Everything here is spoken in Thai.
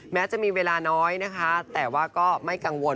แม้จะมีเวลาน้อยนะคะแต่ว่าก็ไม่กังวล